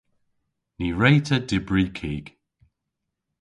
Ny wre'ta dybri kig.